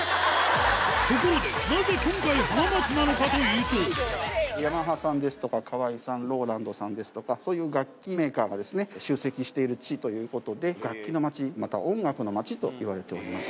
ところでなぜ今回、浜松なのヤマハさんですとか、カワイさん、ローランドさんですとか、そういう楽器メーカーが集積している地ということで、楽器の街、また音楽の街といわれております。